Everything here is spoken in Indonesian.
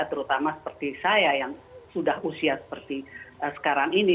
terutama seperti saya yang sudah usia seperti sekarang ini